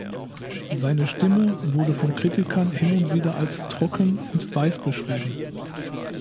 Seine Stimme wurde von Kritikern hin und wieder als „trocken“ und „weiß“ beschrieben.